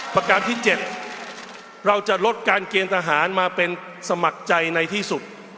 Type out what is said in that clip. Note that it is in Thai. ประการที่๗เราจะลดการเกณฑ์ทหารมาเป็นสมัครใจในที่สุด